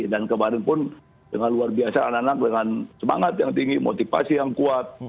dan kemarin pun dengan luar biasa anak anak dengan semangat yang tinggi motivasi yang kuat